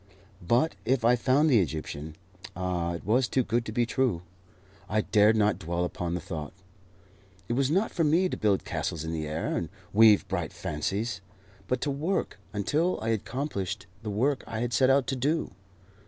But if I found the Egyptian! Ah, it was too good to be true. I dared not dwell upon the thought. It was not for me to build castles in the air, and weave bright fancies; but to work, until I had accomplished the work I had set out to do.